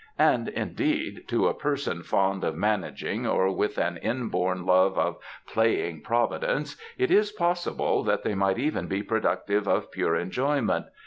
And, indeed, to a person fond of managing or with an inborn love of playing Providence it is possible that they might even be productive of pure enjoyment.